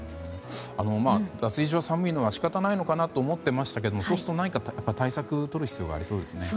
脱衣所寒いのは仕方ないのかなと思ってましたがそうすると、何か対策をとる必要がありそうですね。